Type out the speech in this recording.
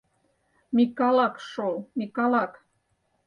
— Микалак, шол, Микалак...